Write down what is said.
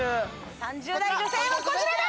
３０代女性はこちらだ！